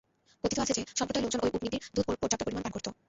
কথিত আছে যে, সম্প্রদায়ের লোকজন ঐ উটনীটির দুধ পর্যাপ্ত পরিমাণ পান করত।